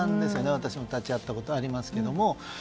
私も立ち会ったことがありますけど。